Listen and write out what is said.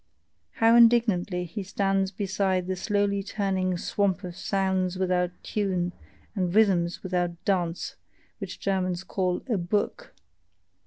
How indignantly he stands beside the slowly turning swamp of sounds without tune and rhythms without dance, which Germans call a "book"!